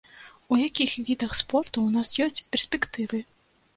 У якіх відах спорту ў нас ёсць перспектывы?